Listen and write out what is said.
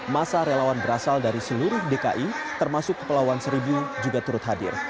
masa relawan berasal dari seluruh dki termasuk kepulauan seribu juga turut hadir